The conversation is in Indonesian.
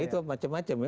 itu macam macam ya